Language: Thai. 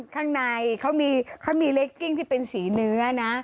คุณไม่มานิดนึงอ่ะ